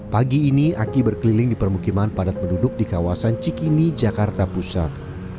pagi ini aki berkeliling di permukiman padat penduduk di kawasan cikini jakarta pusat